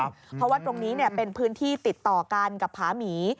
เพราะว่าตรงนี้เป็นพื้นที่ติดต่อกันกับผาหมี